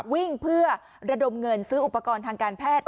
วิ่งเพื่อระดมเงินซื้ออุปกรณ์ทางการแพทย์